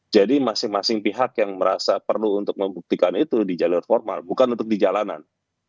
jadi masing masing pihak yang merasa perlu untuk membuktikan itu di jalur formal bukan untuk di jalanan